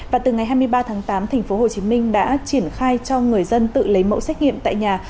và từ ngày hai mươi ba tháng tám thành phố hồ chí minh đã triển khai cho người dân tự lấy mẫu xét nghiệm tại nhà